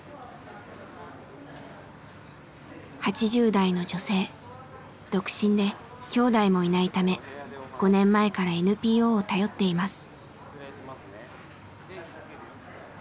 ８０代の女性独身で兄弟もいないため５年前からＮＰＯを頼っています。